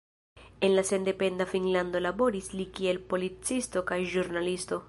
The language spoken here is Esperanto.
En la sendependa Finnlando laboris li kiel policisto kaj ĵurnalisto.